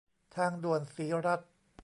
ทางด่วนศรีรัช